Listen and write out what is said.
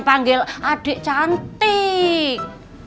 panggil adik cantik